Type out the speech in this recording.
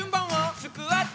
スクワット！